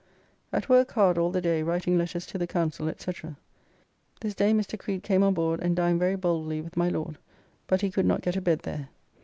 At work hard all the day writing letters to the Council, &c. This day Mr. Creed came on: board and dined very boldly with my Lord, but he could not get a bed there.